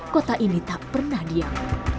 kota ini tak pernah diam